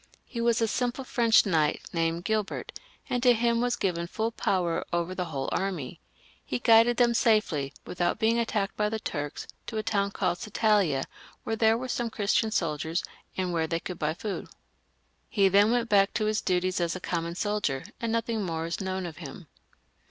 He was a simple French knight named Gilbert, and to him was given full power over the whole army. He guided them safely, without being attacked by the Turks, to a town called Satalia, where there were some Christian soldiers, and where they could buy food. He then went back to his duties as a common soldier, and nothing more is known of him.